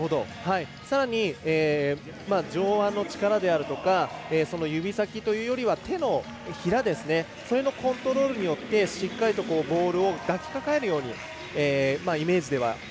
さらに、上腕の力であるとかその指先というよりは、手のひらそれのコントロールによってしっかりとボールを抱きかかえるようにイメージでは。